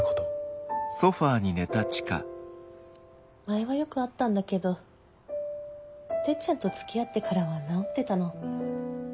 前はよくあったんだけどてっちゃんとつきあってからは治ってたの。